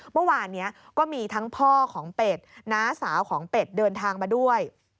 เมื่อวานนี้ก็มีทั้งพ่อของเป็ดน้าสาวของเป็ดเดินทางมาด้วย